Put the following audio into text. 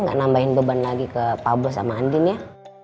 gak nambahin beban lagi ke pablo sama andin ya